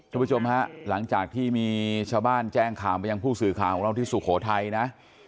ทุกผู้ชมครับหลังจากที่ชาวบ้านแจ้งข่ามไปยังภูมิสื่อข่าวของเราสุโขทัยนะ